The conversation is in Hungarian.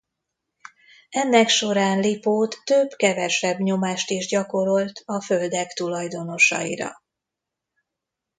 Ennek során Lipót több-kevesebb nyomást is gyakorolt a földek tulajdonosaira.